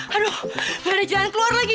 aduh nggak ada jalan keluar lagi